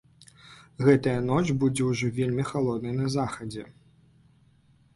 Гэтая ноч будзе ўжо вельмі халоднай на захадзе.